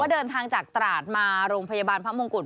เดินทางจากตราดมาโรงพยาบาลพระมงกุฎ